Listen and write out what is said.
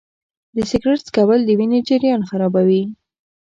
د سګرټ څکول د وینې جریان خرابوي.